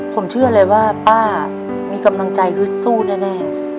ผมเชื่อเลยว่าป้ามีกำลังใจฮึดสู้แน่